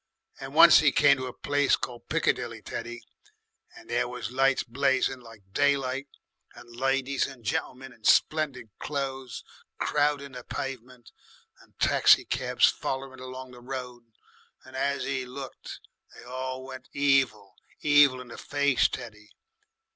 And once 'e come to a place called Piccadilly, Teddy, and there was lights blazing like daylight and ladies and gentlemen in splendid clo'es crowding the pavement, and taxicabs follering along the road. And as 'e looked, they all went evil evil in the face, Teddy.